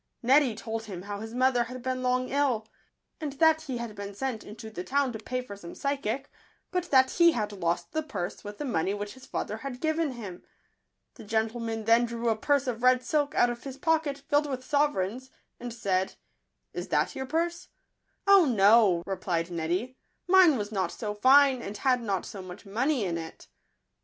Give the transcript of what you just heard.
Neddy told him how his mother had been long ill, and that he had been sent into the town to pay for some phy sic, but that he had lost the purse with the money which his father had given him. The gentleman then drew a purse of red silk out of his pocket, filled with sovereigns, and said, " Is that your purse?" " Oh, no," replied Neddy ;" mine was not so fine, and had not so much money in it."